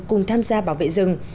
cùng tham gia bảo vệ rừng